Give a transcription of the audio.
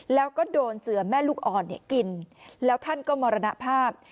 แล้วก็โดนเสือแม่ลูกอ่อนกินแล้วท่านก็มรณภาพ